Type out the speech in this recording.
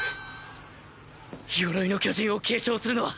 「鎧の巨人」を継承するのはオレです。